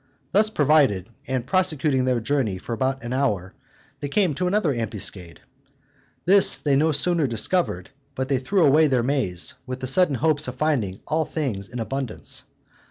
Thus provided, and prosecuting their journey for about an hour, they came to another ambuscade. This they no sooner discovered, but they threw away their maize, with the sudden hopes of finding all things in abundance.